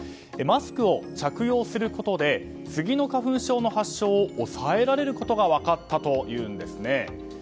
マスクを着用することで杉の花粉症の発症を抑えられることが分かったというんですね。